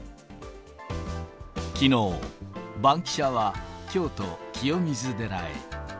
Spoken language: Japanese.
きのう、バンキシャは京都・清水寺へ。